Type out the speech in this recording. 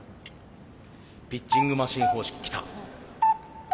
ピッチングマシン方式きた。